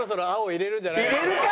入れるか！